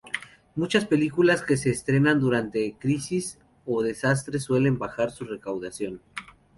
Muchas películas que se estrenan durante crisis o desastres suelen bajar su recaudación.